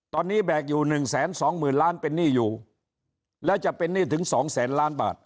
ตอนนี้แบกอยู่หนึ่งแสนสองหมื่นล้านเป็นหนี้อยู่แล้วจะเป็นหนี้ถึงสองแสนล้านบาท